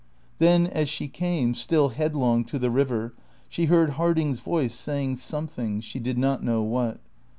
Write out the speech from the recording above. Then as she came, still headlong, to the river, she heard Harding's voice saying something, she did not know what.